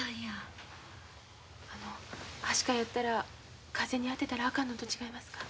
あのはしかやったら風に当てたらあかんのと違いますか？